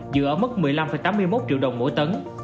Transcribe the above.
giữ ở mức một mươi năm tám mươi một triệu đồng mỗi tấn